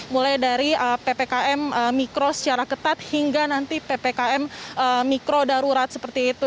mulai dari ppkm mikro secara ketat hingga nanti ppkm mikro darurat seperti itu